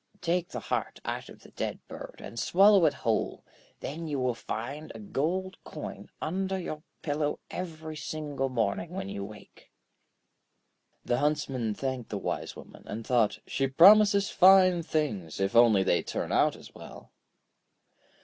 Take the heart out of the dead bird and swallow it whole, then you will find a gold coin under your pillow every single morning when you wake.' The Huntsman thanked the Wise Woman, and thought: 'She promises fine things, if only they turn out as well.'